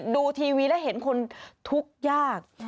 ดูทีวีแล้วเห็นคนทุกข์ยาก